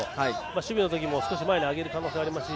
守備のときも少し前に上げる可能性ありますし。